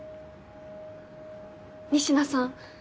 仁科さん。